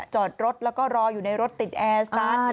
จอดรถแล้วก็รออยู่ในรถติดแอร์สตาร์ท